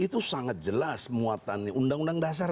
itu sangat jelas muatannya undang undang dasar